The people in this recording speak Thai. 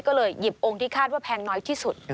ก็เลยหยิบองค์ที่คาดว่าแพงน้อยที่สุด